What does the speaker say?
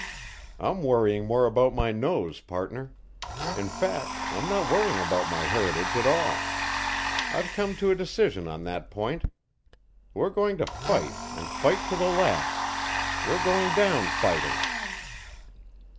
"I'm worrying more about my nose, partner. In fact, I'm not worrying about my heritage at all. I've come to a decision on that point: We're going to fight and fight to the last; we're going down fighting.